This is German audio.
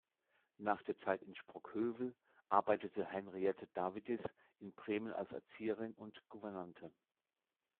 Nach der Zeit in Sprockhövel arbeitete Henriette Davidis in Bremen als Erzieherin und Gouvernante.